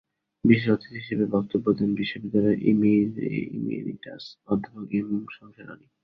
বিশেষ অতিথি হিসেবে বক্তব্য দেন বিশ্ববিদ্যালয়ের ইমেরিটাস অধ্যাপক এম শমশের আলী।